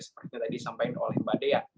seperti yang tadi disampaikan oleh mbak dea